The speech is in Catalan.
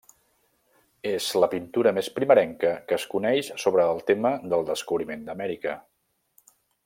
És la pintura més primerenca que es coneix sobre el tema del descobriment d'Amèrica.